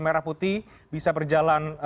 merah putih bisa berjalan